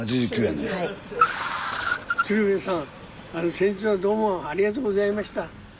先日はどうもありがとうございました。